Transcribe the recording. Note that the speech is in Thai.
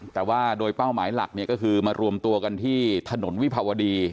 แต่ว่าโดยเป้าหมายหลักเนี่ยก็คือมารวมตัวกันที่ถนนวิภาวดี